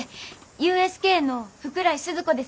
ＵＳＫの福来スズ子です。